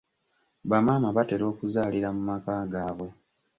Bamaama batera okuzaalira mu maka gaabwe.